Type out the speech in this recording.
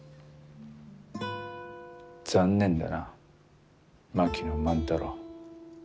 残念だな槙野万太郎。